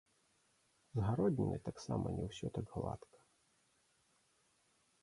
З гароднінай таксама не ўсё так гладка.